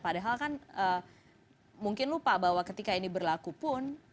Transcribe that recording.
padahal kan mungkin lupa bahwa ketika ini berlaku pun